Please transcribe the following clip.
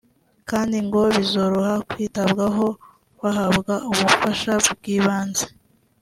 kandi ngo bizoroha kwitabwaho bahabwa ubufasha bw’ibanze